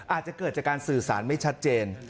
อาจจะเกิดจากการสื่อสารไม่ชัดเจน